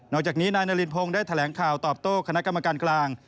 จากนี้นายนารินพงศ์ได้แถลงข่าวตอบโต้คณะกรรมการกลาง